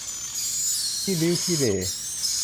ขี้ริ้วขี้เหร่